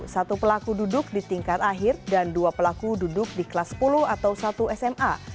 satu pelaku duduk di tingkat akhir dan dua pelaku duduk di kelas sepuluh atau satu sma